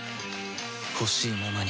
ほしいままに